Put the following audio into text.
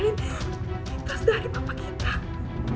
lintas dari papa kita